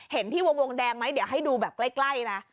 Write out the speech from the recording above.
เห็นที่วงแดงไหมเดี๋ยวให้ดูแบบใกล้นะ